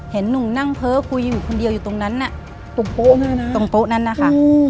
เห็นหนุ่มนั่งเพ้อคุยอยู่คนเดียวอยู่ตรงนั้นน่ะตรงโป๊ะตรงโป๊ะนั้นนะคะ